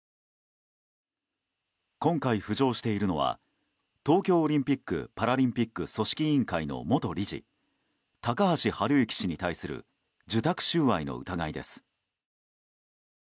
今回、浮上しているのは東京オリンピック・パラリンピック組織委員会の元理事高橋治之氏に対する受託収賄の疑いです。